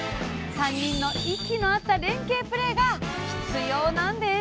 ３人の息の合った連係プレーが必要なんです。